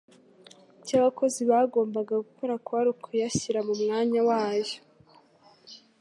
icyo abakozi bagombaga gukora kwari ukuyashyira mu mwanya wayo.